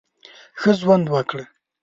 ښه ژوند وکړه !